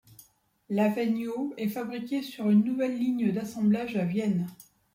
L'Avenio est fabriqué sur une nouvelle ligne d'assemblage à Vienne.